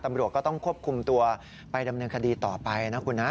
ตำรวจก็ต้องควบคุมตัวไปดำเนินคดีต่อไปนะคุณนะ